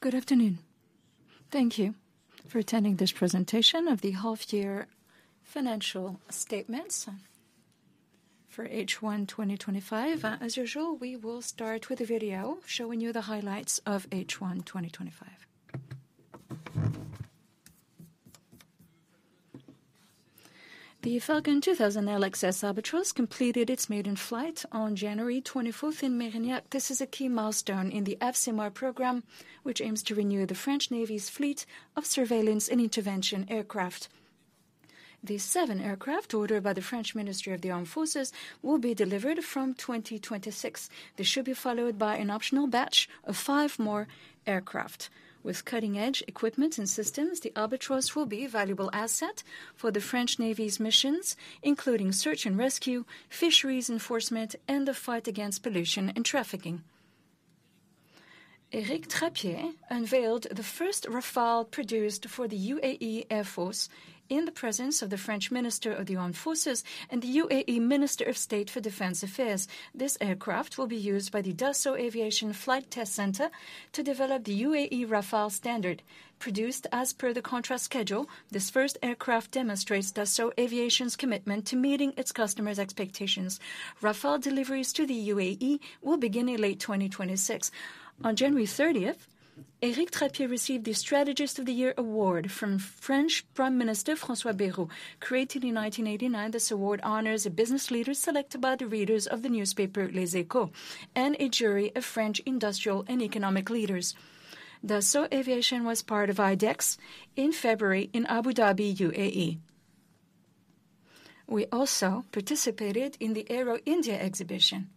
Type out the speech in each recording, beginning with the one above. Good afternoon. Thank you for attending this presentation of the half-year financial statements for H1 2025. As usual, we will start with a video showing you the highlights of H1 2025. The Falcon 2000 LXS Albatros completed its maiden flight on January 24th in Mérignac. This is a key milestone in the AFSMR program, which aims to renew the French Navy's fleet of surveillance and intervention aircraft. The seven aircraft ordered by the French Ministry of the Armed Forces will be delivered from 2026. They should be followed by an optional batch of five more aircraft. With cutting-edge equipment and systems, the Albatros will be a valuable asset for the French Navy's missions, including search and rescue, fisheries enforcement, and the fight against pollution and trafficking. Éric Trappier unveiled the first Rafale produced for the UAE Air Force in the presence of the French Minister of the Armed Forces and the UAE Minister of State for Defence Affairs. This aircraft will be used by the Dassault Aviation Flight Test Center to develop the UAE Rafale standard. Produced as per the contract schedule, this first aircraft demonstrates Dassault Aviation's commitment to meeting its customers' expectations. Rafale deliveries to the UAE will begin in late 2026. On January 30th, Éric Trappier received the Strategist of the Year Award from French Prime Minister François Bayrou. Created in 1989, this award honors a business leader selected by the readers of the newspaper Les Échos and a jury of French industrial and economic leaders. Dassault Aviation was part of IDEX in February in Abu Dhabi, UAE. We also participated in the Aero India exhibition.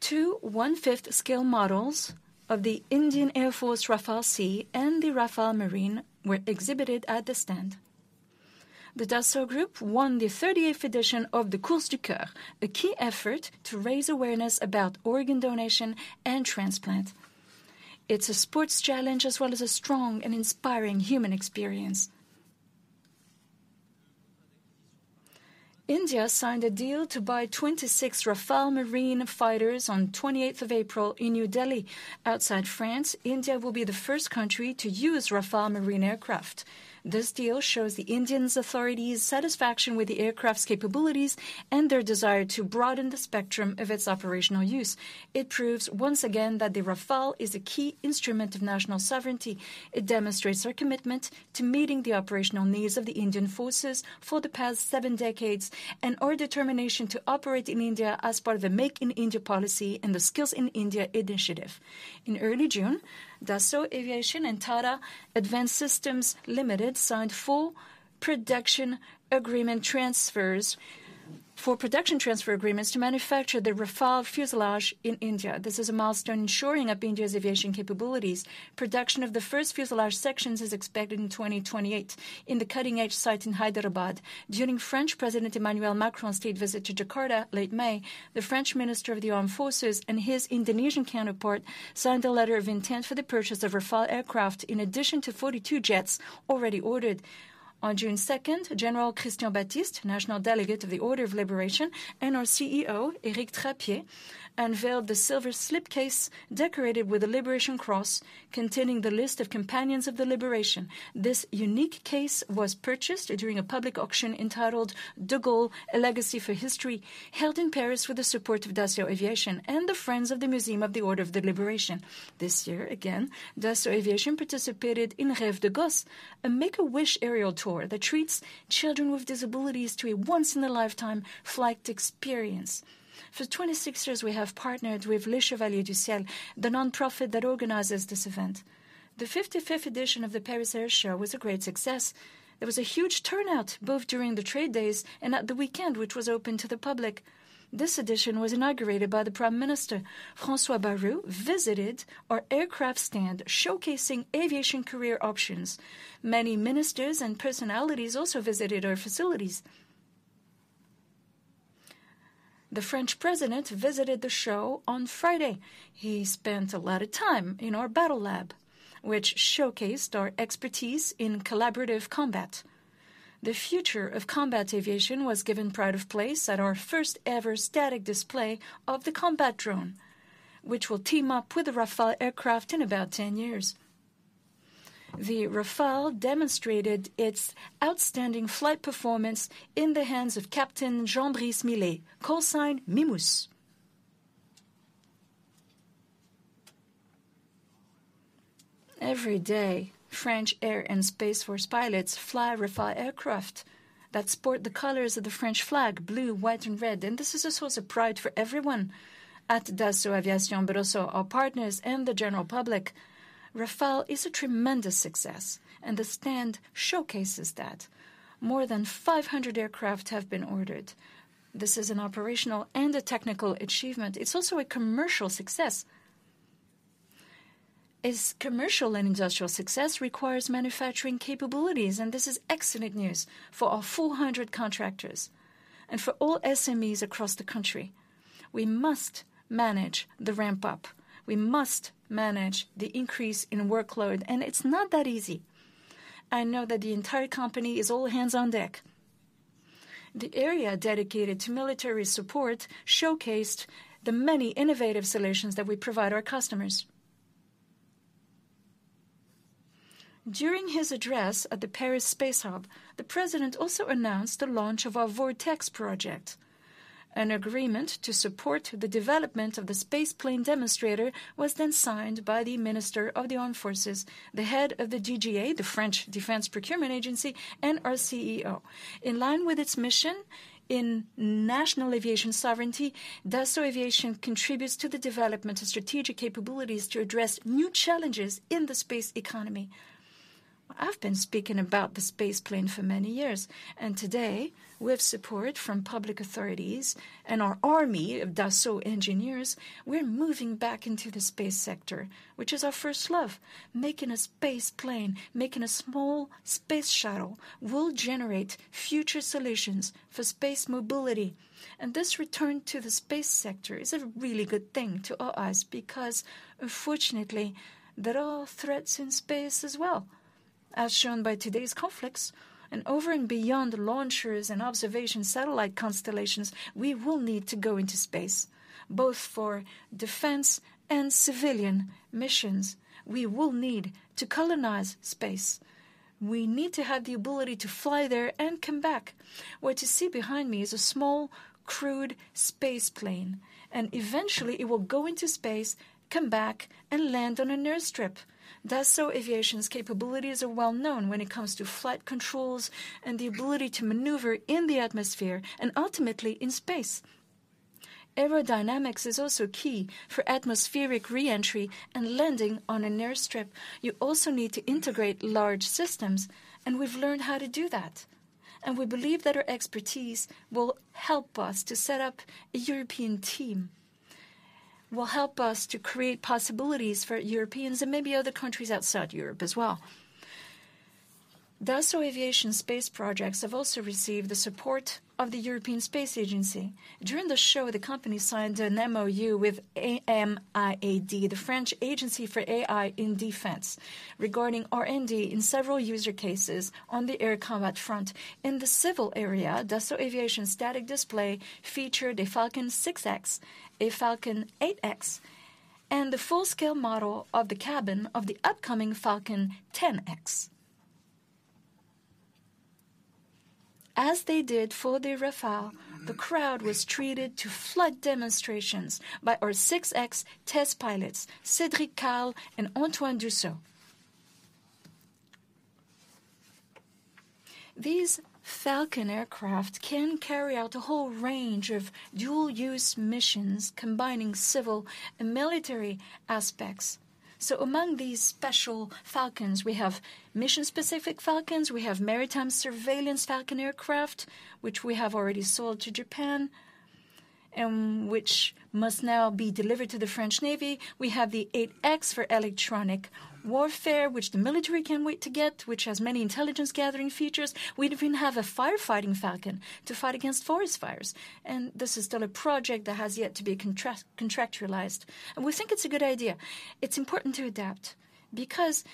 Two one-fifth scale models of the Indian Air Force Rafale C and the Rafale Marine were exhibited at the stand. The Dassault Group won the 38th edition of the Course du Cœur, a key effort to raise awareness about organ donation and transplant. It's a sports challenge as well as a strong and inspiring human experience. India signed a deal to buy 26 Rafale Marine fighters on the 28th of April in New Delhi. Outside France, India will be the first country to use Rafale Marine aircraft. This deal shows the Indian authorities' satisfaction with the aircraft's capabilities and their desire to broaden the spectrum of its operational use. It proves once again that the Rafale is a key instrument of national sovereignty. It demonstrates our commitment to meeting the operational needs of the Indian forces for the past seven decades and our determination to operate in India as part of the Make in India policy and the Skill India initiative. In early June, Dassault Aviation and Tata Advanced Systems Limited signed four production agreements for production transfer agreements to manufacture the Rafale fuselage in India. This is a milestone ensuring of India's aviation capabilities. Production of the first fuselage sections is expected in 2028 in the cutting-edge site in Hyderabad. During French President Emmanuel Macron's state visit to Jakarta late May, the French Minister of the Armed Forces and his Indonesian counterpart signed a letter of intent for the purchase of Rafale aircraft in addition to 42 jets already ordered. On June second, General Christian Baptiste, National Delegate of the Order of Liberation, and our CEO, Éric Trappier, unveiled the silver slipcase decorated with the Liberation Cross containing the list of companions of the liberation. This unique case was purchased during a public auction entitled De Gaulle: A Legacy for History, held in Paris with the support of Dassault Aviation and the Friends of the Museum of the Order of the Liberation. This year, again, Dassault Aviation participated in Rêves de Gosse, a make-a-wish aerial tour that treats children with disabilities to a once-in-a-lifetime flight experience. For 26 years, we have partnered with Les Chevaliers du Ciel, the nonprofit that organizes this event. The 55th edition of the Paris Air Show was a great success. There was a huge turnout both during the trade days and at the weekend, which was open to the public. This edition was inaugurated by the Prime Ministe François Bayrou visited our aircraft stand, showcasing aviation career options. Many ministers and personalities also visited our facilities. The French President visited the show on Friday. He spent a lot of time in our battle lab, which showcased our expertise in collaborative combat. The future of combat aviation was given pride of place at our first-ever static display of the combat drone, which will team up with the Rafale aircraft in about 10 years. The Rafale demonstrated its outstanding flight performance in the hands of Captain Jean-Brice Millet, call sign MIMOUS. Every day, French Air and Space Force pilots fly Rafale aircraft that sport the colors of the French flag: blue, white, and red. This is a source of pride for everyone at Dassault Aviation, but also our partners and the general public. Rafale is a tremendous success, and the stand showcases that. More than 500 aircraft have been ordered. This is an operational and a technical achievement. It's also a commercial success. Its commercial and industrial success requires manufacturing capabilities, and this is excellent news for our 400 contractors and for all SMEs across the country. We must manage the ramp-up. We must manage the increase in workload, and it's not that easy. I know that the entire company is all hands on deck. The area dedicated to military support showcased the many innovative solutions that we provide our customers. During his address at the Paris Space Hub, the President also announced the launch of our Vortex project. An agreement to support the development of the space plane demonstrator was then signed by the Minister of the Armed Forces, the head of the DGA, the French Defense Procurement Agency, and our CEO. In line with its mission in national aviation sovereignty, Dassault Aviation contributes to the development of strategic capabilities to address new challenges in the space economy. I've been speaking about the space plane for many years, and today, with support from public authorities and our army of Dassault engineers, we're moving back into the space sector, which is our first love. Making a space plane, making a small space shuttle, will generate future solutions for space mobility. This return to the space sector is a really good thing to all of us because, unfortunately, there are threats in space as well. As shown by today's conflicts and over and beyond launchers and observation satellite constellations, we will need to go into space, both for defense and civilian missions. We will need to colonize space. We need to have the ability to fly there and come back. What you see behind me is a small, crude space plane, and eventually, it will go into space, come back, and land on a near strip. Dassault Aviation's capabilities are well-known when it comes to flight controls and the ability to maneuver in the atmosphere and ultimately in space. Aerodynamics is also key for atmospheric re-entry and landing on a near strip. You also need to integrate large systems, and we've learned how to do that. We believe that our expertise will help us to set up a European team. Will help us to create possibilities for Europeans and maybe other countries outside Europe as well. Dassault Aviation's space projects have also received the support of the European Space Agency. During the show, the company signed an MOU with AMIAD, the French Agency for AI in Defense, regarding R&D in several user cases on the air combat front. In the civil area, Dassault Aviation's static display featured a Falcon 6X, a Falcon 8X, and the full-scale model of the cabin of the upcoming Falcon 10X. As they did for the Rafale, the crowd was treated to flight demonstrations by our 6X test pilots, Cédric Carre and Antoine Dussault.. These Falcon aircraft can carry out a whole range of dual-use missions, combining civil and military aspects. Among these special Falcons, we have mission-specific Falcons. We have maritime surveillance Falcon aircraft, which we have already sold to Japan and which must now be delivered to the French Navy. We have the 8X for electronic warfare, which the military can't wait to get, which has many intelligence-gathering features. We even have a firefighting Falcon to fight against forest fires. This is still a project that has yet to be contractualized. We think it's a good idea. It's important to adapt because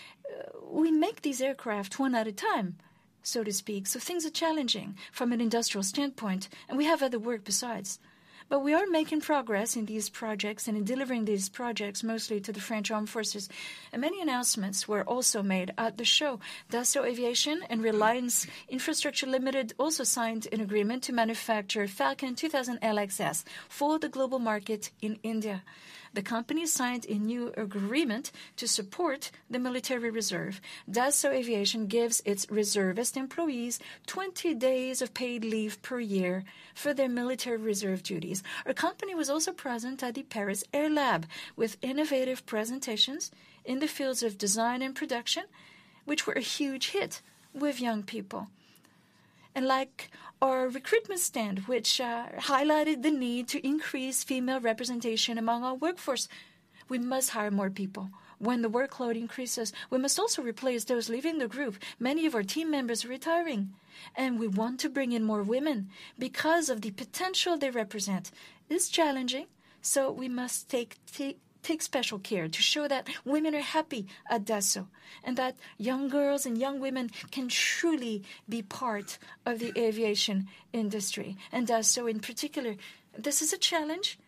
we make these aircraft one at a time, so to speak. Things are challenging from an industrial standpoint, and we have other work besides. We are making progress in these projects and in delivering these projects mostly to the French Armed Forces. Many announcements were also made at the show. Dassault Aviation and Reliance Infrastructure Limited also signed an agreement to manufacture Falcon 2000LXS for the global market in India. The company signed a new agreement to support the military reserve. Dassault Aviation gives its reservist employees 20 days of paid leave per year for their military reserve duties. Our company was also present at the Paris Air Lab with innovative presentations in the fields of design and production, which were a huge hit with young people. Like our recruitment stand, which highlighted the need to increase female representation among our workforce, we must hire more people. When the workload increases, we must also replace those leaving the group. Many of our team members are retiring, and we want to bring in more women because of the potential they represent. It's challenging, so we must take special care to show that women are happy at Dassault and that young girls and young women can truly be part of the aviation industry. Dassault, in particular, faces this challenge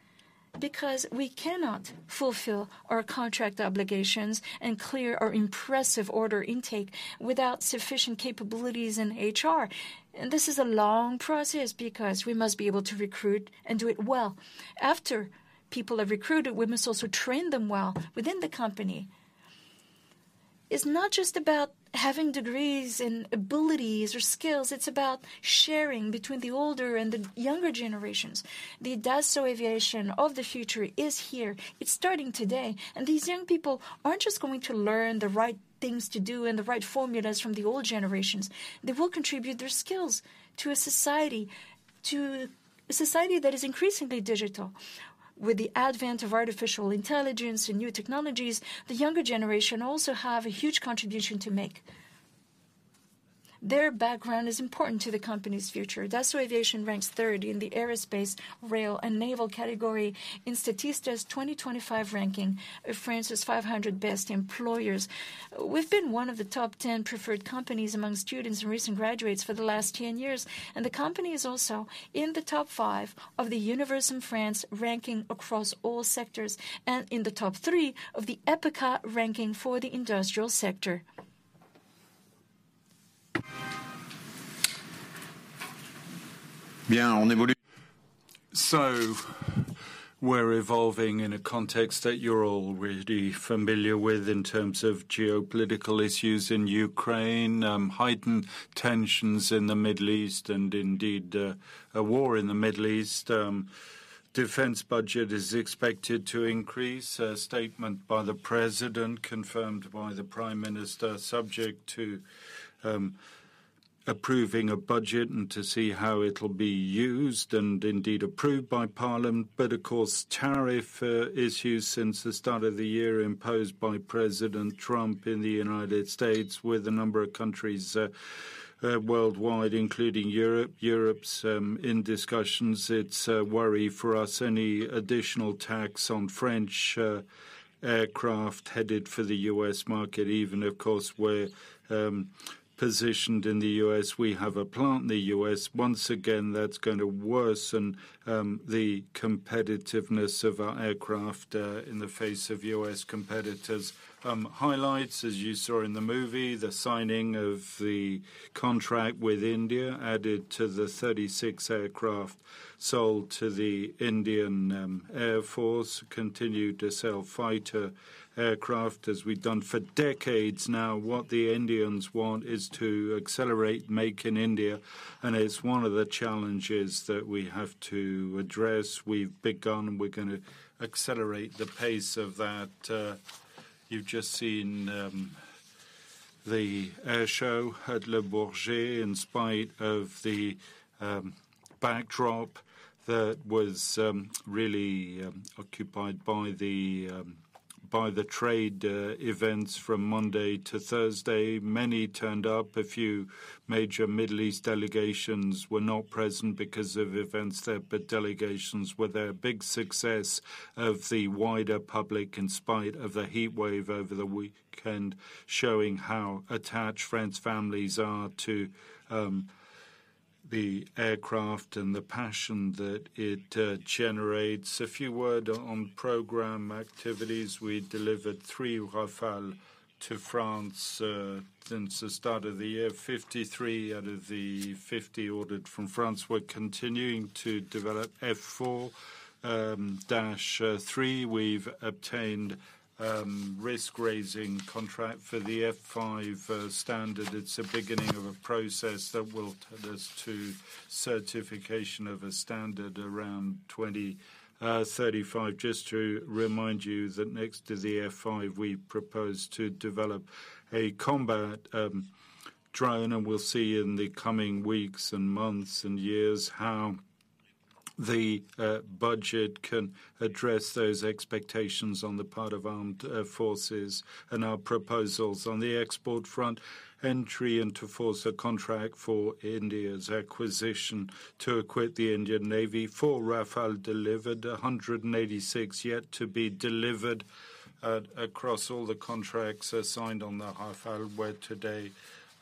because we cannot fulfill our contract obligations and clear our impressive order intake without sufficient capabilities in HR. This is a long process because we must be able to recruit and do it well. After people are recruited, we must also train them well within the company. It's not just about having degrees and abilities or skills. It's about sharing between the older and the younger generations. The Dassault Aviation of the future is here. It's starting today. These young people aren't just going to learn the right things to do and the right formulas from the old generations. They will contribute their skills to a society, to a society that is increasingly digital. With the advent of artificial intelligence and new technologies, the younger generation also has a huge contribution to make. Their background is important to the company's future. Dassault Aviation ranks third in the aerospace, rail, and naval category in Statista's 2025 ranking of France's 500 best employers. We've been one of the top 10 preferred companies among students and recent graduates for the last 10 years. The company is also in the top five of the Universum in France ranking across all sectors and in the top three of the EPICA ranking for the industrial sector. Bien, on évolue. We're evolving in a context that you're already familiar with in terms of geopolitical issues in Ukraine, heightened tensions in the Middle East, and indeed a war in the Middle East. Defense budget is expected to increase, a statement by the President confirmed by the Prime Minister, subject to approving a budget and to see how it'll be used and indeed approved by Parliament. Of course, tariff issues since the start of the year imposed by President Trump in the United States, with a number of countries worldwide, including Europe. Europe's in discussions. It's a worry for us, any additional tax on French aircraft headed for the U.S. market. Even, of course, we're positioned in the U.S., we have a plant in the U.S. Once again, that's going to worsen the competitiveness of our aircraft in the face of U.S. competitors. Highlights, as you saw in the movie, the signing of the contract with India added to the 36 aircraft sold to the Indian Air Force, continued to sell fighter aircraft as we've done for decades now. What the Indians want is to accelerate Make in India, and it's one of the challenges that we have to address. We've begun, and we're going to accelerate the pace of that. You've just seen the air show at Le Bourget, in spite of the backdrop that was really occupied by the trade events from Monday to Thursday. Many turned up; a few major Middle East delegations were not present because of events there, but delegations were there. Big success of the wider public in spite of the heat wave over the weekend, showing how attached French families are to the aircraft and the passion that it generates. A few words on program activities: we delivered three Rafale to France. Since the start of the year, 53 out of the 50 ordered from France were continuing to develop F4-3. We've obtained risk-sharing contract for the F5 standard. It's the beginning of a process that will take us to certification of a standard around 2035. Just to remind you that next to the F5, we propose to develop a combat drone, and we'll see in the coming weeks and months and years how the budget can address those expectations on the part of armed forces and our proposals on the export front. Entry into force a contract for India's acquisition to equip the Indian Navy. Four Rafale delivered, 186 yet to be delivered. Across all the contracts signed on the Rafale we're today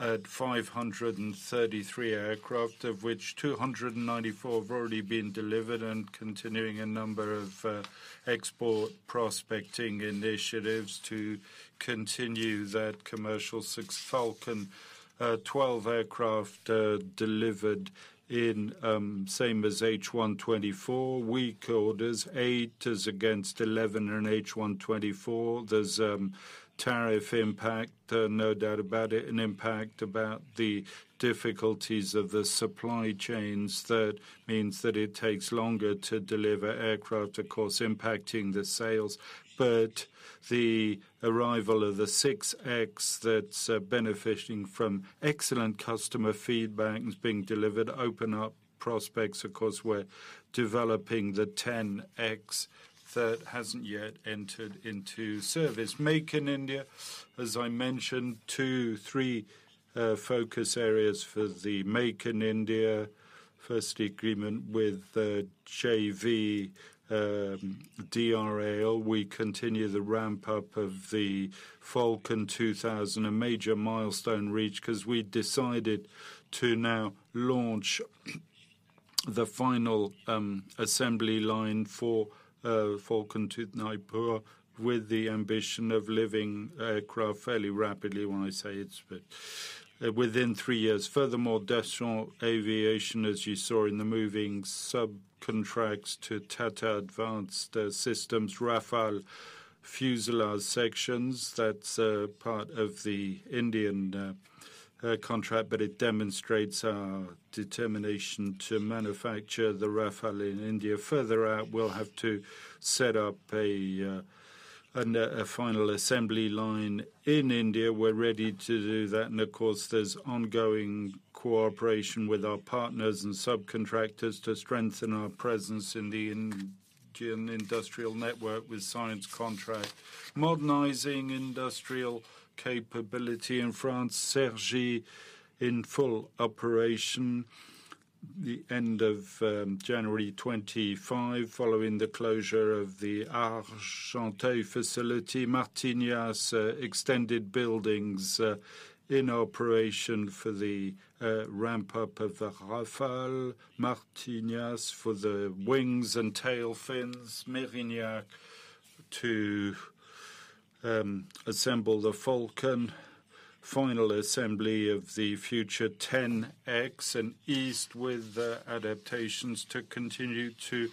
at 533 aircraft, of which 294 have already been delivered and continuing a number of export prospecting initiatives to continue that commercial success. Falcon. Twelve aircraft delivered in same as H124. Weak orders, eight is against eleven in H124. There's a tariff impact, no doubt about it, an impact about the difficulties of the supply chains. That means that it takes longer to deliver aircraft, of course, impacting the sales. But the arrival of the 6X that's benefiting from excellent customer feedback is being delivered. Open up prospects, of course, we're developing the 10X that hasn't yet entered into service. Make in India, as I mentioned, two, three focus areas for the Make in India. First agreement with JV DRAL. We continue the ramp-up of the Falcon 2000, a major milestone reach because we decided to now launch the final assembly line for Falcon 2000 in Hyderabad with the ambition of delivering aircraft fairly rapidly. When I say it's within three years. Furthermore, Dassault Aviation, as you saw in the moving, subcontracts to Tata Advanced Systems, Rafale fuselage sections. That's part of the Indian contract, but it demonstrates our determination to manufacture the Rafale in India. Further out, we'll have to set up a final assembly line in India. We're ready to do that. Of course, there's ongoing cooperation with our partners and subcontractors to strengthen our presence in the industrial network with science contract, modernizing industrial capability in France. SERGI in full operation. The end of January'25, following the closure of the Argenté facility. Mérignac extended buildings in operation for the ramp-up of the Rafale, Martignac for the wings and tail fins, Mérignac to assemble the Falcon. Final assembly of the future 10X and east with the adaptations to continue to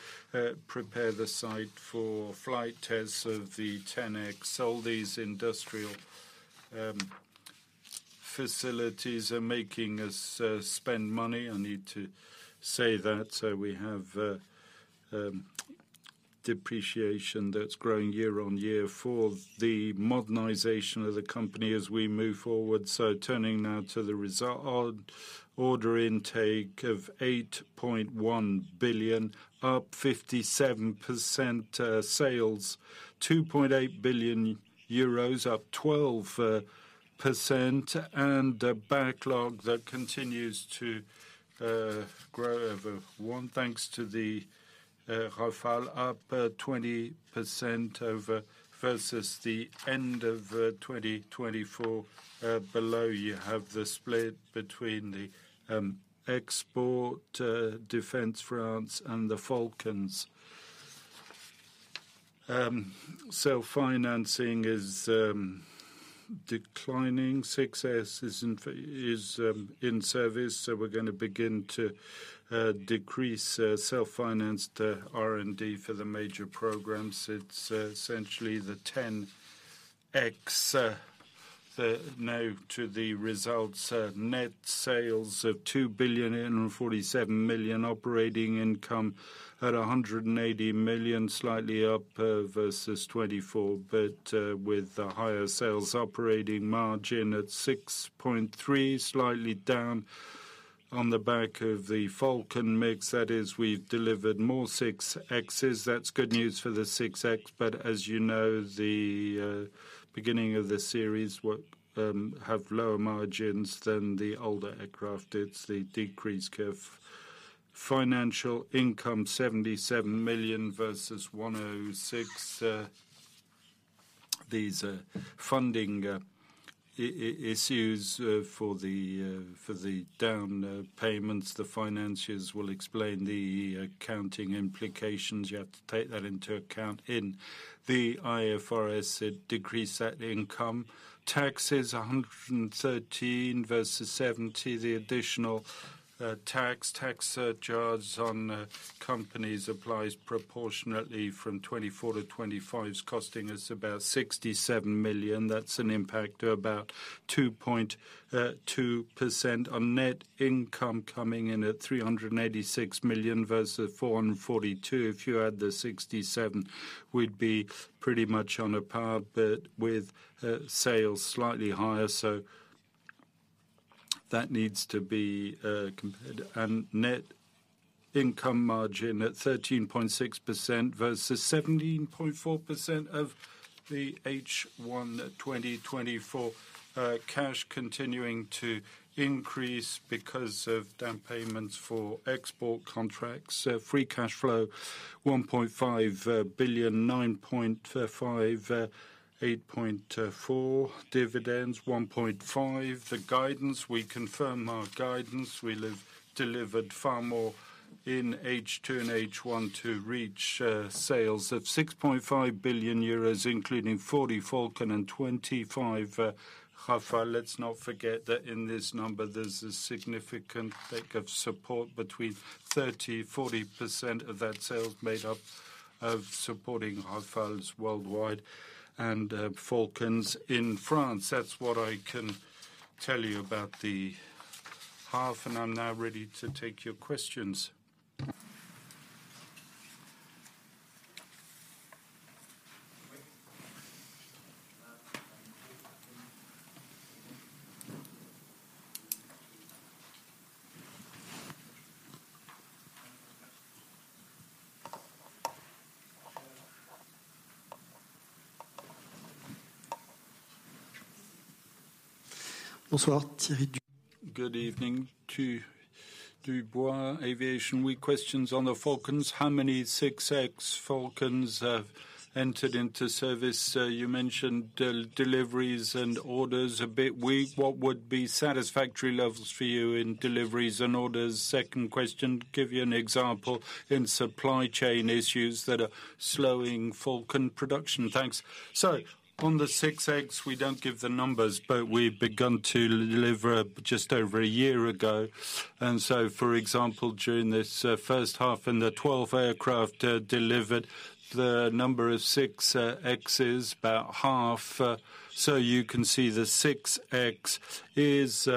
prepare the site for flight tests of the 10X. All these industrial facilities are making us spend money. I need to say that. We have depreciation that's growing year on year for the modernization of the company as we move forward. Turning now to the result. Order intake of 8.1 billion, up 57%. Sales, 2.8 billion euros, up 12%, and a backlog that continues to grow over one, thanks to the Rafale, up 20% versus the end of 2024. Below, you have the split between the export, defense France, and the Falcons. Self-financing is declining. Success is in service. We're going to begin to decrease self-financed R&D for the major programs. It's essentially the 10X. Now to the results, net sales of 2 billion and 47 million, operating income at 180 million, slightly up versus 2024, but with the higher sales, operating margin at 6.3%, slightly down on the back of the Falcon mix. That is, we've delivered more 6Xs. That's good news for the 6X, but as you know, the beginning of the series have lower margins than the older aircraft. It's the decreased curve. Financial income, 77 million versus 106. These funding issues for the down payments. The finances will explain the accounting implications. You have to take that into account. In the IFRS, it decreased that income. Taxes 113 versus 70. The additional tax surcharge on companies applies proportionately from 2024 to 2025, costing us about 67 million. That's an impact of about 2.2% on net income coming in at 386 million versus 442 million. If you add the 67, we'd be pretty much on a par, but with sales slightly higher. That needs to be compared. Net income margin at 13.6% versus 17.4% of the H12024. Cash continuing to increase because of down payments for export contracts. Free cash flow 1.5 billion, 9.5. EUR 8.4 dividends, 1.5. The guidance, we confirm our guidance. We delivered far more in H2 and H1 to reach sales of 6.5 billion euros, including 40 Falcon and 25 Rafale. Let's not forget that in this number, there's a significant take of support between. 30, 40% of that sales made up of supporting Rafales worldwide and Falcons in France. That's what I can tell you about the half, and I'm now ready to take your questions. Bonsoir, Thierry. Good evening Thierry DuBois, Aviation Week. We have questions on the Falcons. How many 6X Falcons have entered into service? You mentioned deliveries and orders a bit. What would be satisfactory levels for you in deliveries and orders? Second question, to give you an example in supply chain issues that are slowing Falcon production. Thanks. On the 6X, we do not give the numbers, but we have begun to deliver just over a year ago. For example, during this first half, the 12 aircraft delivered, the number of 6Xs, about half. You can see the 6X is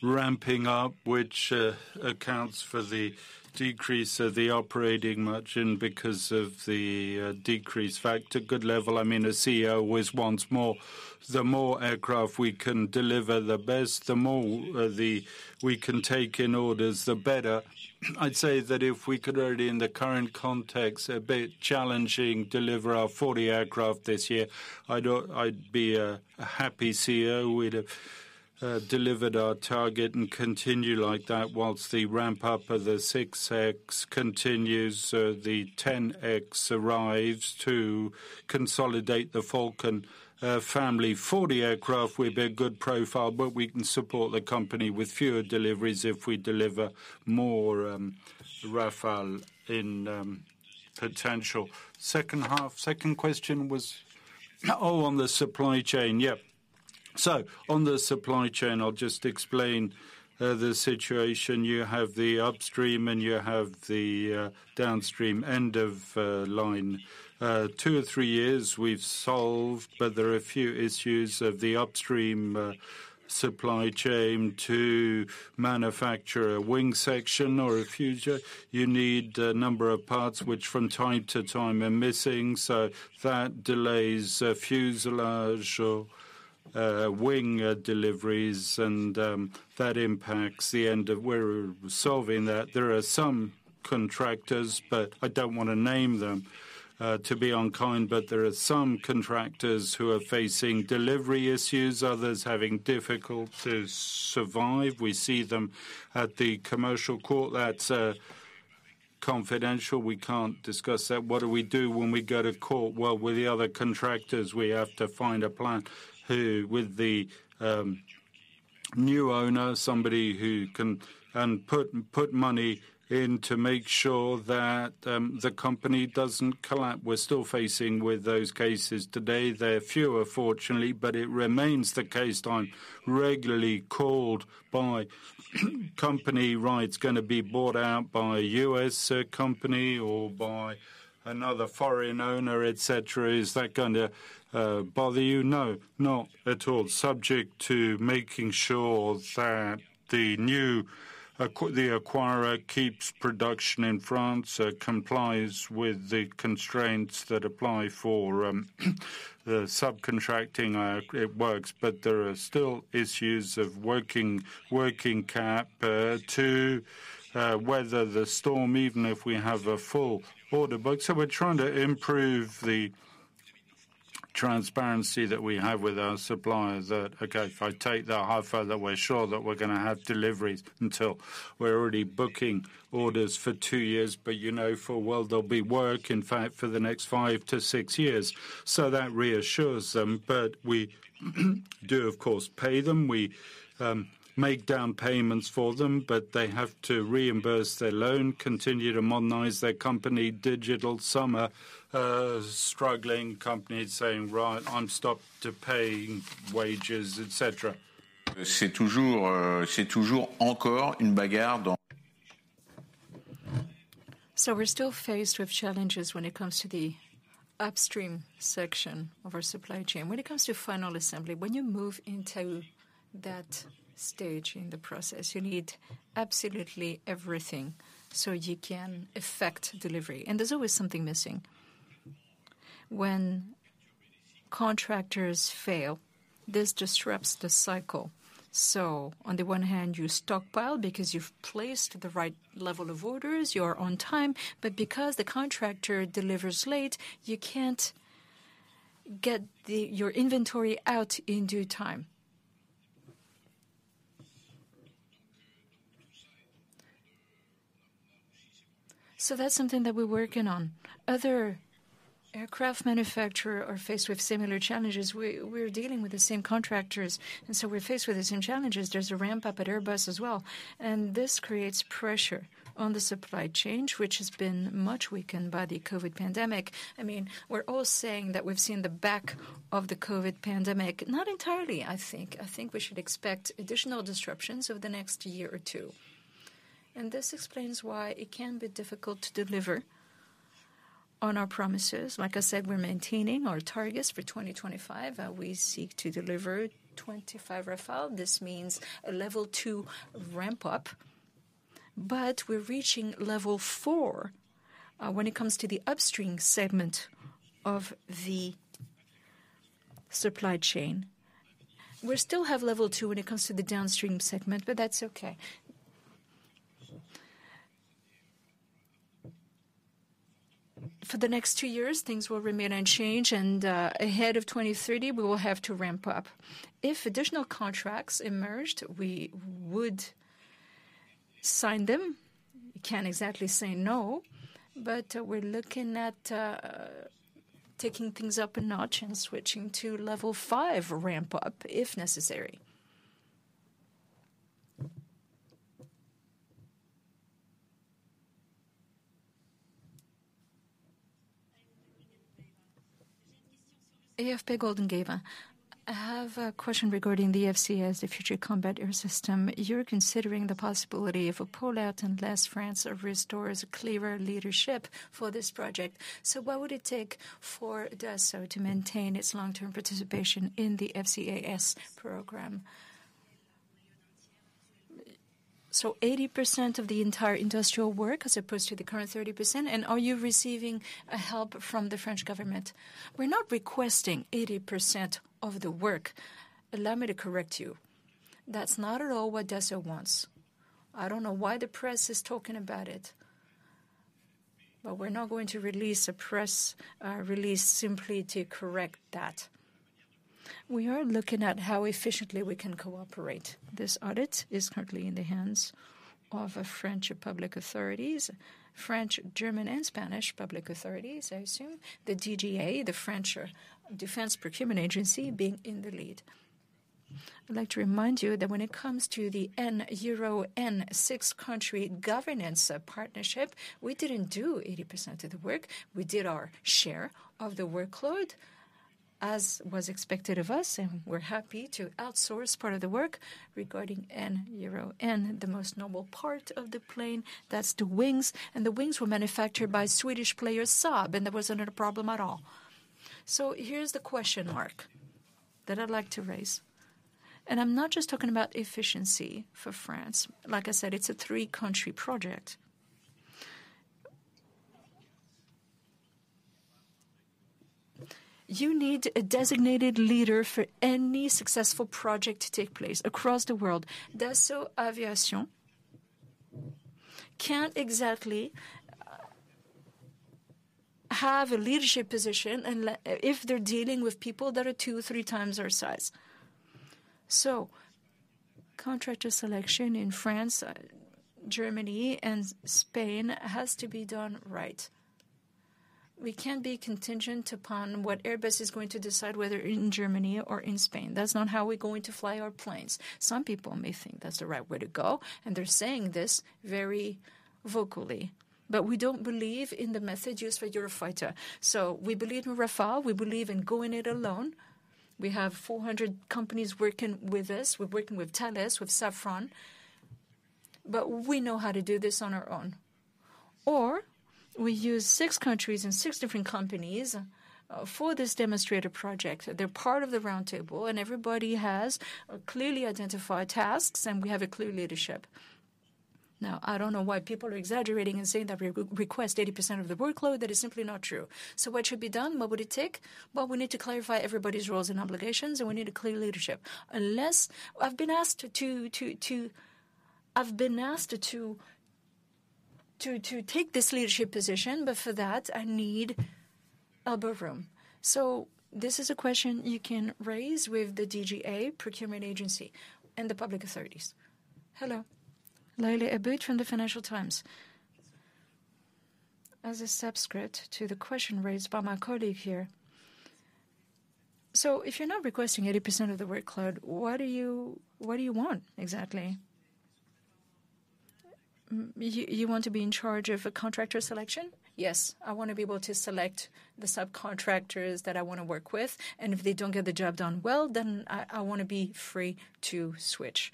ramping up, which accounts for the decrease of the operating margin because of the decrease factor. Good level. I mean, a CEO always wants more. The more aircraft we can deliver, the better, the more we can take in orders, the better. I would say that if we could already, in the current context, a bit challenging to deliver our 40 aircraft this year, I would be a happy CEO. We would have delivered our target and continue like that whilst the ramp-up of the 6X continues, the 10X arrives to consolidate the Falcon family. 40 aircraft, we have got a good profile, but we can support the company with fewer deliveries if we deliver more Rafale in potential. Second half, second question was on the supply chain, yeah. On the supply chain, I will just explain the situation. You have the upstream and you have the downstream end of line. Two or three years, we have solved, but there are a few issues of the upstream supply chain to manufacture a wing section or a fuselage. You need a number of parts which from time to time are missing. That delays fuselage, wing deliveries, and that impacts the end of where we are solving that. There are some contractors, but I do not want to name them, to be unkind, but there are some contractors who are facing delivery issues, others having difficulty to survive. We see them at the commercial court. That is confidential. We cannot discuss that. What do we do when we go to court? With the other contractors, we have to find a plan who, with the new owner, somebody who can put money in to make sure that the company does not collapse. We are still facing with those cases today. There are fewer, fortunately, but it remains the case. Time, regularly called by company, right, it is going to be bought out by a US company or by another foreign owner, etc. Is that going to bother you? No, not at all. Subject to making sure that the new acquirer keeps production in France, complies with the constraints that apply for the subcontracting, it works, but there are still issues of working cap to. Weather the storm, even if we have a full order book. We are trying to improve the transparency that we have with our suppliers that, okay, if I take the high file that we are sure that we are going to have deliveries until we are already booking orders for two years, but you know, for a while, there will be work, in fact, for the next five to six years. That reassures them, but we do, of course, pay them. We make down payments for them, but they have to reimburse their loan, continue to modernize their company, digital summer. Struggling company, saying, right, I am stopped to pay wages, etc. C'est toujours. Encore une bagarre. We are still faced with challenges when it comes to the upstream section of our supply chain. When it comes to final assembly, when you move into that stage in the process, you need absolutely everything so you can affect delivery. There is always something missing. When contractors fail, this disrupts the cycle. On the one hand, you stockpile because you have placed the right level of orders, you are on time, but because the contractor delivers late, you cannot get your inventory out in due time. That is something that we are working on. Other aircraft manufacturers are faced with similar challenges. We are dealing with the same contractors, and we are faced with the same challenges. There is a ramp-up at Airbus as well, and this creates pressure on the supply chain, which has been much weakened by the COVID pandemic. I mean, we are all saying that we have seen the back of the COVID pandemic. Not entirely, I think. I think we should expect additional disruptions over the next year or two. This explains why it can be difficult to deliver on our promises. Like I said, we are maintaining our targets for 2025. We seek to deliver 25 Rafale. This means a level two ramp-up. We are reaching level four when it comes to the upstream segment of the supply chain. We still have level two when it comes to the downstream segment, but that is okay. For the next two years, things will remain unchanged, and ahead of 2030, we will have to ramp up. If additional contracts emerged, we would sign them. We cannot exactly say no, but we are looking at taking things up a notch and switching to level five ramp-up if necessary. AFP Golden Gava. I have a question regarding the FCAS, the Future Combat Air System. You are considering the possibility of a pullout unless France restores clearer leadership for this project. What would it take for Dassault to maintain its long-term participation in the FCAS program? So 80% of the entire industrial work as opposed to the current 30%? Are you receiving help from the French government? We are not requesting 80% of the work. Allow me to correct you. That is not at all what Dassault wants. I do not know why the press is talking about it. But we're not going to release a press release simply to correct that. We are looking at how efficiently we can cooperate. This audit is currently in the hands of French public authorities, French, German, and Spanish public authorities, I assume, the DGA, the French Defense Procurement Agency, being in the lead. I'd like to remind you that when it comes to the Euro N6 country governance partnership, we didn't do 80% of the work. We did our share of the workload, as was expected of us, and we're happy to outsource part of the work regarding N Euro N, the most noble part of the plane. That's the wings, and the wings were manufactured by Swedish player Saab, and there wasn't a problem at all. Here's the question mark that I'd like to raise. I'm not just talking about efficiency for France. Like I said, it's a three-country project. You need a designated leader for any successful project to take place across the world. Dassault Aviation can't exactly have a leadership position if they're dealing with people that are two, three times our size. Contractor selection in France, Germany, and Spain has to be done right. We can't be contingent upon what Airbus is going to decide whether in Germany or in Spain. That's not how we're going to fly our planes. Some people may think that's the right way to go, and they're saying this very vocally. We don't believe in the method used for Eurofighter. We believe in Rafale. We believe in going it alone. We have 400 companies working with us. We're working with Thales, with Safran. We know how to do this on our own. Or we use six countries and six different companies for this demonstrator project. They're part of the roundtable and everybody has clearly identified tasks and we have a clear leadership. I don't know why people are exaggerating and saying that we request 80% of the workload. That is simply not true. What should be done? What would it take? We need to clarify everybody's roles and obligations and we need a clear leadership. Unless I've been asked to. I've been asked to take this leadership position, but for that, I need about room. This is a question you can raise with the DGA, Procurement Agency, and the public authorities. Hello. Lily Abbott from the Financial Times. As a subscript to the question raised by my colleague here. If you're not requesting 80% of the workload, what do you want exactly? You want to be in charge of contractor selection? Yes. I want to be able to select the subcontractors that I want to work with. If they don't get the job done well, then I want to be free to switch.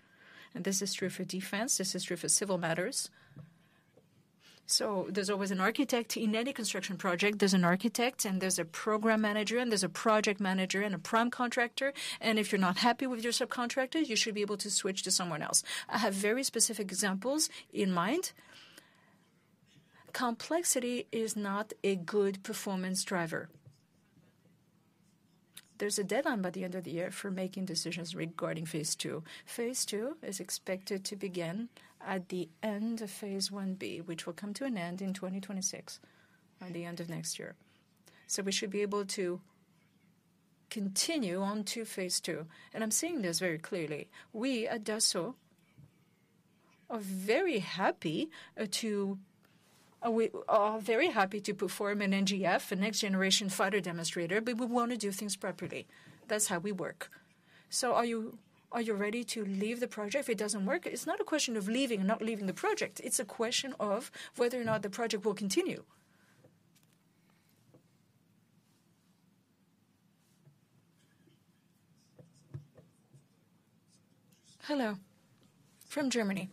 This is true for defense. This is true for civil matters. There's always an architect. In any construction project, there's an architect, and there's a program manager, and there's a project manager, and a prime contractor. If you're not happy with your subcontractor, you should be able to switch to someone else. I have very specific examples in mind. Complexity is not a good performance driver. There's a deadline by the end of the year for making decisions regarding phase II Phase II is expected to begin at the end of phase 1B, which will come to an end in 2026, at the end of next year. We should be able to continue on to phase II. I'm saying this very clearly. We at Dassault are very happy to perform an NGF, a next-generation fighter demonstrator, but we want to do things properly. That's how we work. Are you ready to leave the project if it doesn't work? It's not a question of leaving and not leaving the project. It's a question of whether or not the project will continue. Hello. From Germany.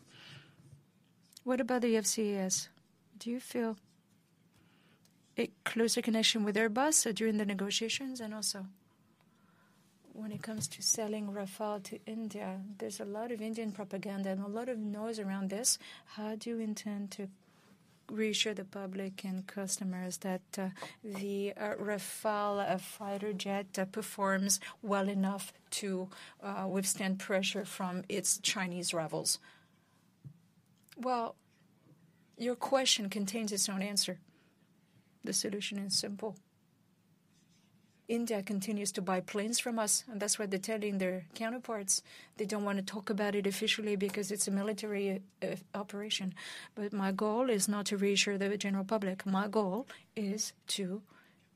What about the FCAS? Do you feel a closer connection with Airbus during the negotiations? Also, when it comes to selling Rafale to India, there's a lot of Indian propaganda and a lot of noise around this. How do you intend to reassure the public and customers that the Rafale fighter jet performs well enough to withstand pressure from its Chinese rivals? Your question contains its own answer. The solution is simple. India continues to buy planes from us, and that's what they're telling their counterparts. They don't want to talk about it officially because it's a military operation. My goal is not to reassure the general public. My goal is to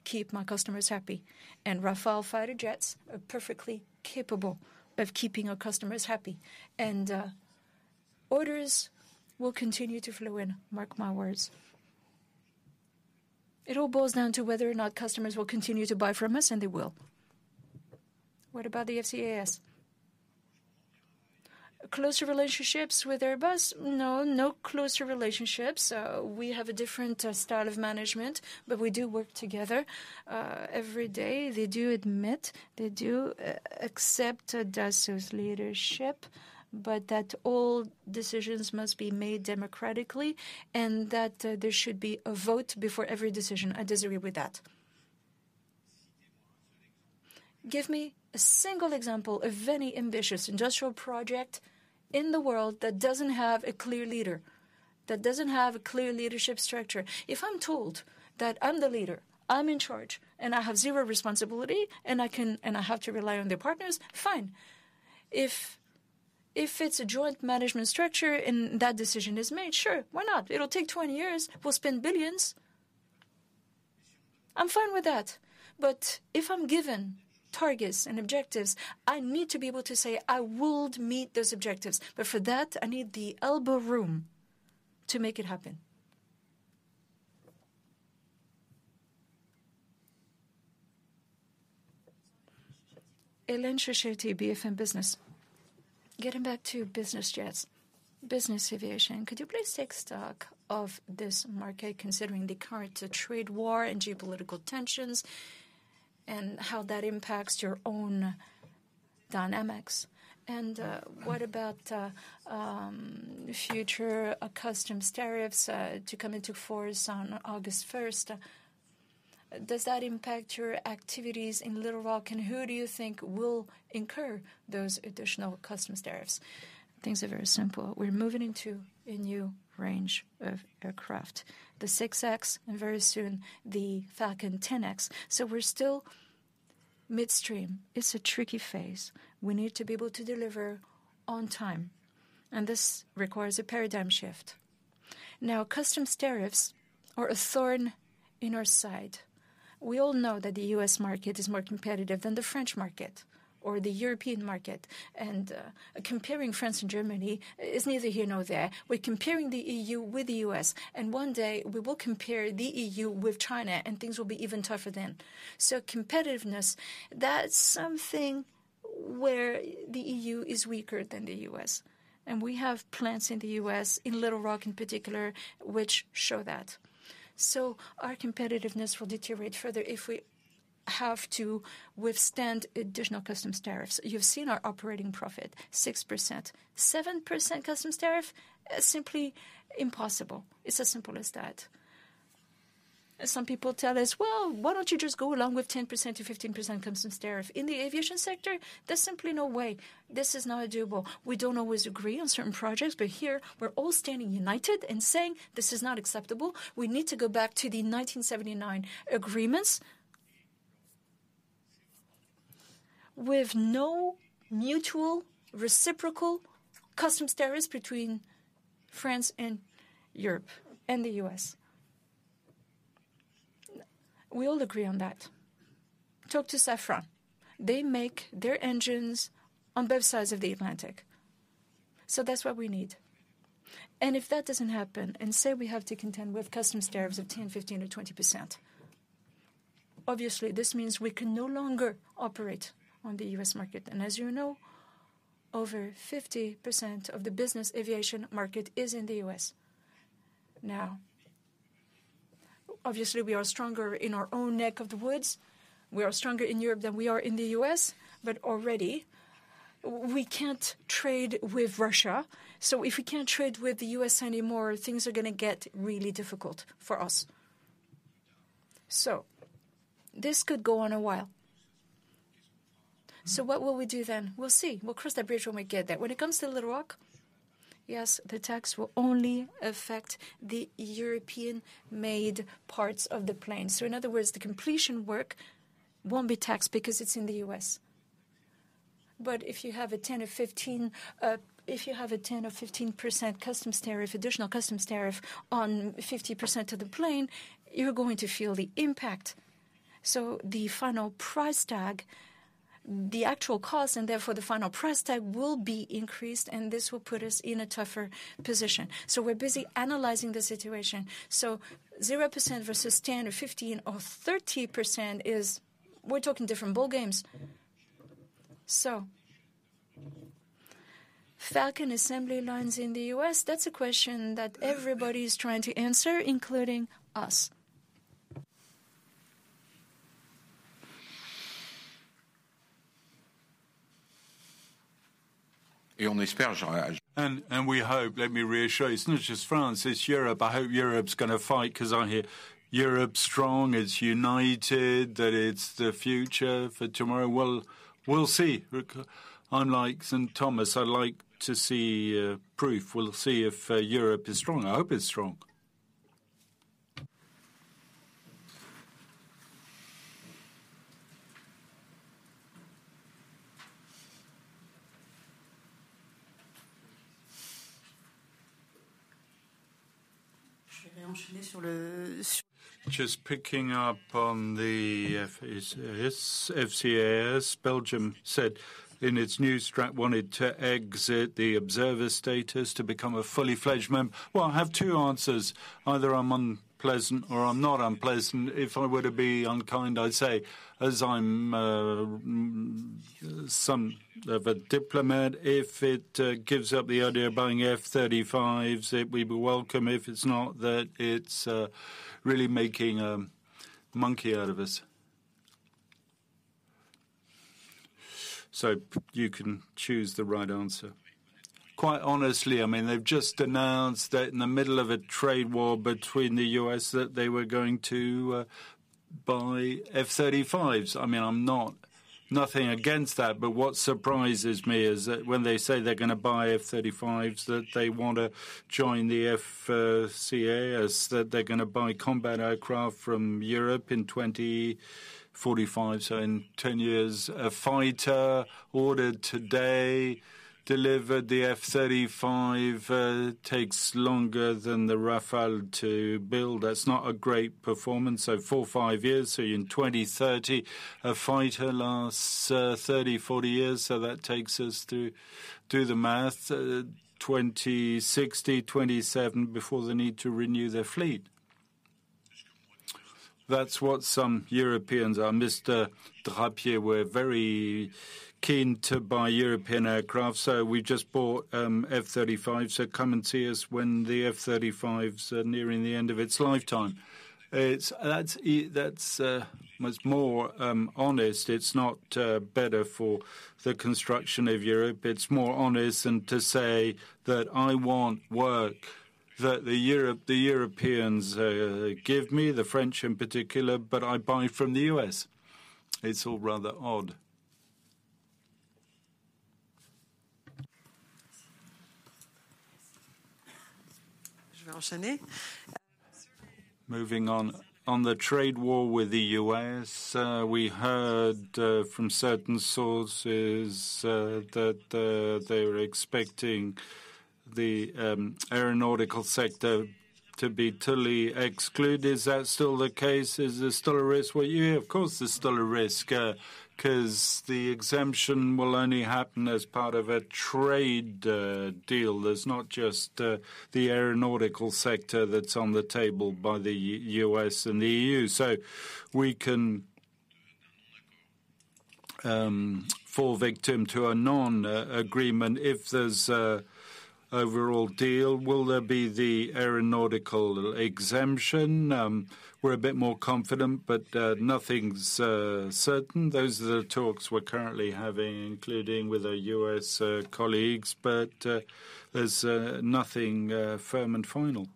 keep my customers happy. Rafale fighter jets are perfectly capable of keeping our customers happy. Orders will continue to flow in, mark my words. It all boils down to whether or not customers will continue to buy from us, and they will. What about the FCAS? Closer relationships with Airbus? No, no closer relationships. We have a different style of management, but we do work together. Every day, they do admit, they do accept Dassault's leadership, but that all decisions must be made democratically and that there should be a vote before every decision. I disagree with that. Give me a single example of any ambitious industrial project in the world that doesn't have a clear leader, that doesn't have a clear leadership structure. If I'm told that I'm the leader, I'm in charge, and I have zero responsibility, and I have to rely on their partners, fine. If it's a joint management structure and that decision is made, sure, why not? It'll take 20 years. We'll spend billions. I'm fine with that. If I'm given targets and objectives, I need to be able to say I will meet those objectives. For that, I need the elbow room to make it happen. Getting back to business jets, business aviation. Could you please take stock of this market considering the current trade war and geopolitical tensions. How that impacts your own dynamics? What about future customs tariffs to come into force on August 1. Does that impact your activities in Little Rock? Who do you think will incur those additional customs tariffs? Things are very simple. We're moving into a new range of aircraft, the 6X, and very soon the Falcon 10X. We're still midstream. It's a tricky phase. We need to be able to deliver on time. This requires a paradigm shift. Customs tariffs are a thorn in our side. We all know that the U.S. market is more competitive than the French market or the European market. Comparing France and Germany is neither here nor there. We're comparing the EU with the U.S. One day, we will compare the EU with China, and things will be even tougher then. Competitiveness, that's something where the EU is weaker than the U.S. We have plants in the U.S., in Little Rock in particular, which show that. Our competitiveness will deteriorate further if we have to withstand additional customs tariffs. You've seen our operating profit, 6%. 7% customs tariff? Simply impossible. It's as simple as that. Some people tell us, why don't you just go along with 10%-15% customs tariff? In the aviation sector, there's simply no way. This is not doable. We don't always agree on certain projects, but here we're all standing united and saying this is not acceptable. We need to go back to the 1979 agreements with no mutual reciprocal customs tariffs between France and Europe and the U.S. We all agree on that. Talk to Safran. They make their engines on both sides of the Atlantic. That's what we need. If that doesn't happen and say we have to contend with customs tariffs of 10%, 15%, or 20%. Obviously, this means we can no longer operate on the U.S. market. As you know, over 50% of the business aviation market is in the U.S. Obviously, we are stronger in our own neck of the woods. We are stronger in Europe than we are in the U.S. Already, we can't trade with Russia. If we can't trade with the U.S. anymore, things are going to get really difficult for us. This could go on a while. What will we do then? We'll see. We'll cross that bridge when we get there. When it comes to Little Rock, yes, the tax will only affect the European-made parts of the plane. In other words, the completion work won't be taxed because it's in the U.S. If you have a 10% or 15% customs tariff, additional customs tariff on 50% of the plane, you're going to feel the impact. The final price tag, the actual cost, and therefore the final price tag, will be increased, and this will put us in a tougher position. We're busy analyzing the situation. 0% versus 10% or 15% or 30% is, we're talking different ball games. Falcon assembly lines in the U.S.? That's a question that everybody is trying to answer, including us. Et on espère. And we hope, let me reassure you, it's not just France, it's Europe. I hope Europe's going to fight because I hear Europe's strong, it's united, that it's the future for tomorrow. We'll see. I'm like St. Thomas, I'd like to see proof. We'll see if Europe is strong. I hope it's strong. Je vais enchaîner sur le. Just picking up on the FCAS, Belgium said in its news wanted to exit the observer status to become a fully-fledged member. I have two answers. Either I'm unpleasant or I'm not unpleasant. If I were to be unkind, I'd say, as I'm some of a diplomat, if it gives up the idea of buying F-35s, we'd be welcome. If it's not, that it's really making a monkey out of us. You can choose the right answer. Quite honestly, they've just announced that in the middle of a trade war between the U.S., that they were going to buy F-35s. I mean, I have nothing against that, but what surprises me is that when they say they're going to buy F-35s, that they want to join the FCAS, that they're going to buy combat aircraft from Europe in 2045. In 10 years, a fighter ordered today, delivered, the F-35 takes longer than the Rafale to build. That's not a great performance. Four, five years. In 2030, a fighter lasts 30-40 years. That takes us to, do the math, 2060, 2070 before they need to renew their fleet. That's what some Europeans are. Mr. Trappier, we're very keen to buy European aircraft. So we just bought F-35s. Come and see us when the F-35s are nearing the end of its lifetime. That's much more honest. It's not better for the construction of Europe. It's more honest than to say that I want work that the Europeans give me, the French in particular, but I buy from the U.S. It's all rather odd. Je vais enchaîner. Moving on, on the trade war with the U.S., we heard from certain sources that they were expecting the aeronautical sector to be totally excluded. Is that still the case? Is there still a risk? Of course there's still a risk. The exemption will only happen as part of a trade deal. There's not just the aeronautical sector that's on the table by the U.S. and the EU. We can fall victim to a non-agreement if there's an overall deal. Will there be the aeronautical exemption? We're a bit more confident, but nothing's certain. Those are the talks we're currently having, including with our U.S. colleagues, but there's nothing firm and final.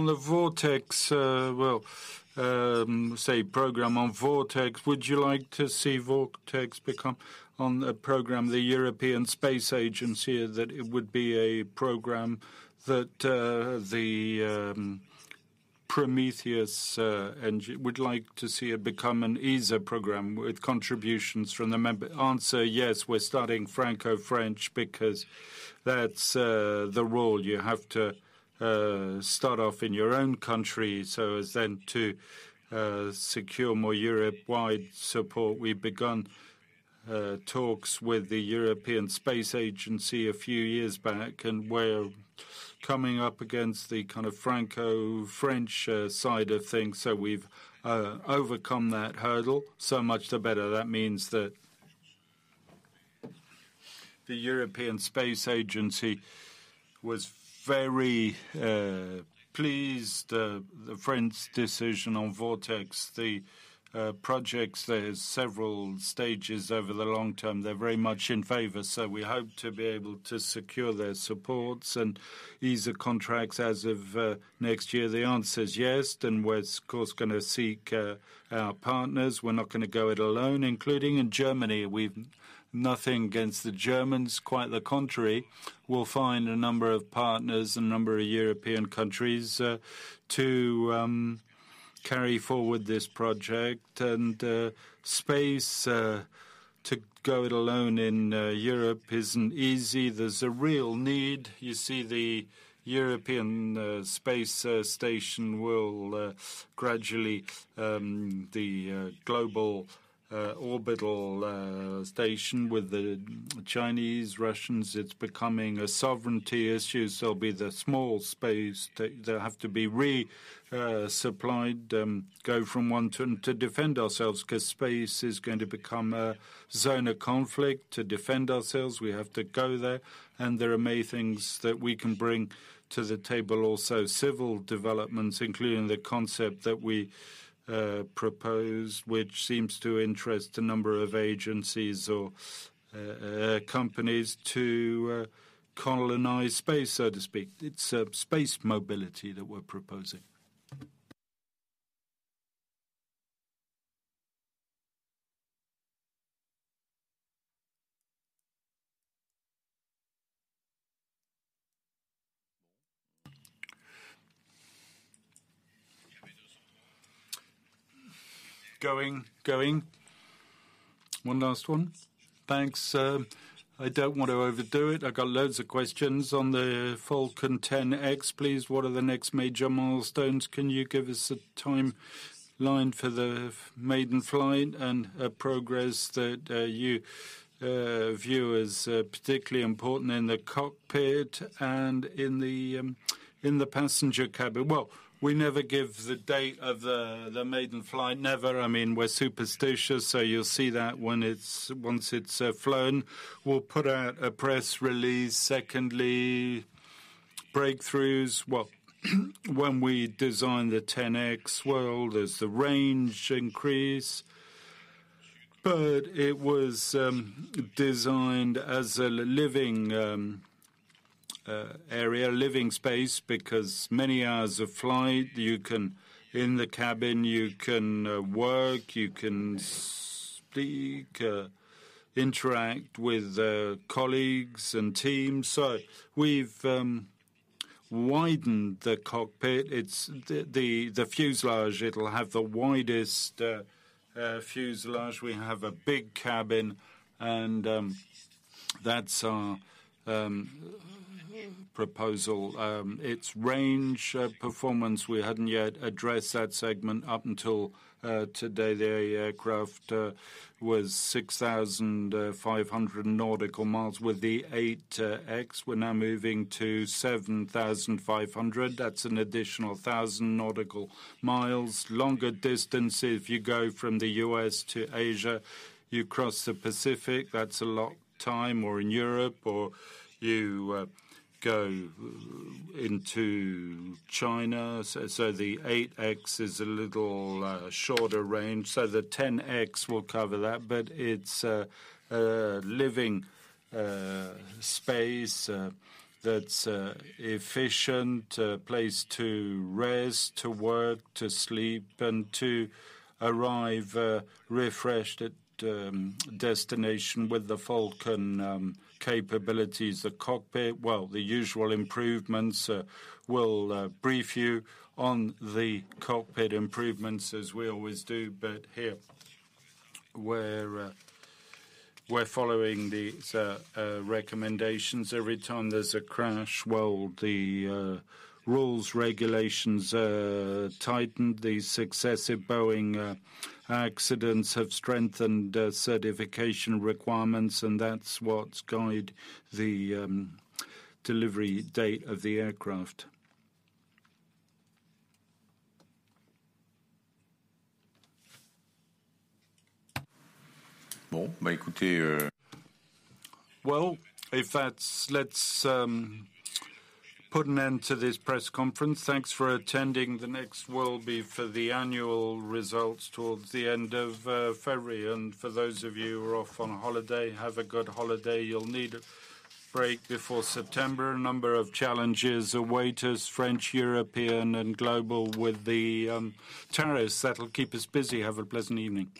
Sur le programme Vortex. On the Vortex, say program on Vortex. Would you like to see Vortex become on the program, the European Space Agency, that it would be a program that the Prometheus would like to see become an ESA program with contributions from the member? Answer, yes, we're starting Franco-French because that's the rule. You have to start off in your own country so as then to secure more Europe-wide support. We begun talks with the European Space Agency a few years back, and we're coming up against the kind of Franco-French side of things. We've overcome that hurdle. Much the better. That means that the European Space Agency was very pleased, the French decision on Vortex. The projects, there are several stages over the long term. They're very much in favor. We hope to be able to secure their supports and ease the contracts as of next year. The answer is yes. We're, of course, going to seek our partners. We're not going to go it alone, including in Germany. We have nothing against the Germans. Quite the contrary. We'll find a number of partners, a number of European countries to carry forward this project. Space, to go it alone in Europe isn't easy. There's a real need. You see, the European Space Station will gradually, the global orbital station with the Chinese, Russians. It's becoming a sovereignty issue. It'll be the small space. They have to be resupplied, go from one to defend ourselves because space is going to become a zone of conflict. To defend ourselves, we have to go there. There are many things that we can bring to the table also. Civil developments, including the concept that we proposed, which seems to interest a number of agencies or companies to colonize space, so to speak. It's space mobility that we're proposing. Going. One last one. Thanks. I don't want to overdo it. I've got loads of questions on the Falcon 10X, please. What are the next major milestones? Can you give us a timeline for the maiden flight and progress that you view as particularly important in the cockpit and in the passenger cabin? We never give the date of the maiden flight. Never. I mean, we're superstitious. You'll see that once it's flown. We'll put out a press release. Secondly, breakthroughs. When we design the 10X, there's the range increase. It was designed as a living area, living space, because many hours of flight, you can in the cabin, you can work, you can speak. Interact with colleagues and teams. We have widened the cockpit. The fuselage, it will have the widest fuselage. We have a big cabin. That is our proposal. Its range performance, we had not yet addressed that segment up until today. The aircraft was 6,500 nautical miles with the 8X. We are now moving to 7,500. That is an additional 1,000 nautical miles. Longer distances. If you go from the U.S. to Asia, you cross the Pacific. That is a lot of time. In Europe, you go into China. The 8X is a little shorter range. The 10X will cover that. It is a living space that is efficient, a place to rest, to work, to sleep, and to arrive refreshed at destination with the Falcon. Capabilities, the cockpit, the usual improvements. We will brief you on the cockpit improvements, as we always do. Here, we are following these recommendations. Every time there is a crash, the rules, regulations tighten. The successive Boeing accidents have strengthened certification requirements. That is what has guided the delivery date of the aircraft. Bon, écoutez. If that is, let us put an end to this press conference. Thanks for attending. The next will be for the annual results towards the end of February. For those of you who are off on holiday, have a good holiday. You will need a break before September. A number of challenges await us, French, European, and global, with the tariffs that will keep us busy. Have a pleasant evening.